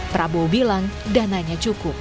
prabowo bilang dananya cukup